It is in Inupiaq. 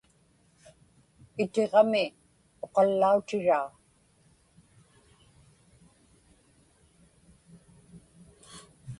Itiġami uqallautiraa.